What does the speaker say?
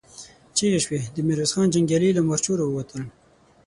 چيغې شوې، د ميرويس خان جنګيالي له مورچو را ووتل.